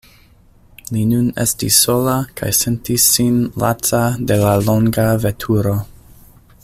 Li nun estis sola kaj sentis sin laca de la longa veturo.